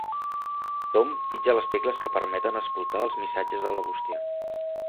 Tom pitja les tecles que permeten escoltar els missatges de la bústia.